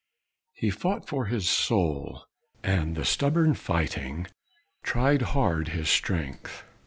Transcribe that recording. He fought for his soul, and the stubborn fighting Tried hard his strength.